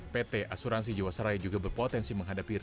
pt asuransi jawa seraya juga berpotensi menghadapi